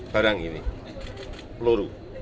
barang ini peluru